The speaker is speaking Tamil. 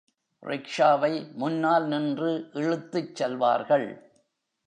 ரிக்ஷாவை முன்னால் நின்று இழுத்துச் செல்வார்கள்.